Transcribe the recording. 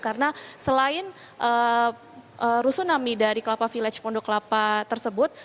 karena selain rusuh nami dari kelapa village pondokan kelapa tersebut